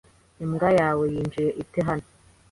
Imbwa yawe yinjiye ite hano?